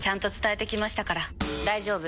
大丈夫！